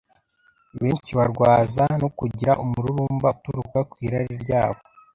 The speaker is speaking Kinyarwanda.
Benshi barwazwa no kugira umururumba uturuka ku irari ryabo.